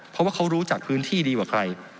เพราะว่าเขารู้จักพื้นที่ดีกว่าใคร